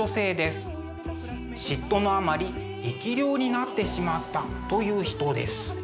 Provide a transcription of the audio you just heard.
嫉妬のあまり生き霊になってしまったという人です。